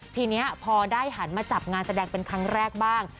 ทีนี้พอได้หันมาจับงานแสดงเป็นครั้งแรกบ้าง